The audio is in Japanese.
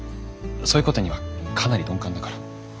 そういうことにはかなり鈍感だから。